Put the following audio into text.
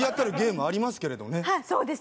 はいそうです。